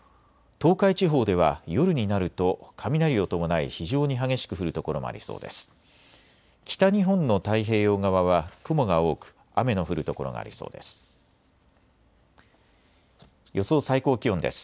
東海地方では夜になると雷を伴い非常に激しく降る所もありそうです。